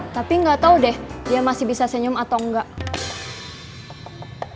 tapi nggak tahu deh dia masih bisa senyum atau enggak